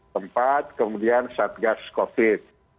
tempat kemudian saat gas covid